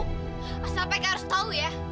asal pak eka harus tahu ya